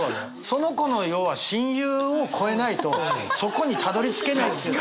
その子の要は親友を越えないとそこにたどりつけないっていうさ。